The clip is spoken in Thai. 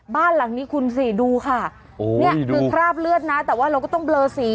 บ้านหลังนี้คุณสิดูค่ะนี่คือคราบเลือดนะแต่ว่าเราก็ต้องเบลอสี